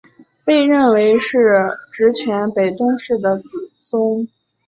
被认为是执权北条氏的子孙。